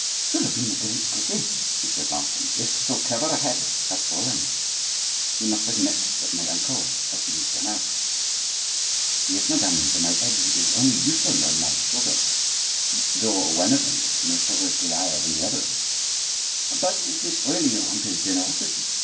"'Twould have been a great pity," she said laughing, "if so clever a head had fallen; you must admit that my uncle has been generous." "Yes, madame; for my head is only useful on my shoulders, though one of them is notoriously higher than the other. But is this really your uncle's generosity?